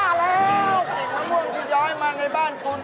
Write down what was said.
อะไรที่ย้อยมาในบ้านคุณ